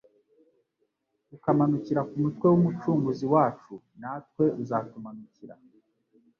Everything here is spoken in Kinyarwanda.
Ukamanukira ku mutwe w'Umucunguzi wacu natwe uzatumanukira